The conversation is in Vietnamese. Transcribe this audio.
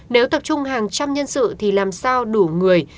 nếu tập trung hàng trăm nhân sự thì làm sao đủ người